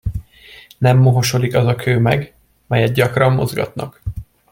Nem mohosodik az a kő meg, melyet gyakran mozgatnak.